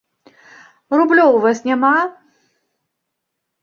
Рублёў у вас няма?